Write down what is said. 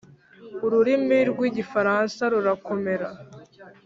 ururimi rw igifaransa rurakomera